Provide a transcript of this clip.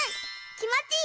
きもちいい！